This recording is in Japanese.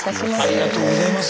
ありがとうございます